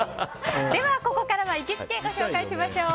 ここからは行きつけご紹介しましょう。